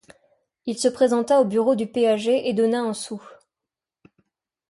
Il se présenta au bureau du péager et donna un sou.